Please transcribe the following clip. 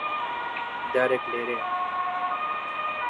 دارێک لێرەیە.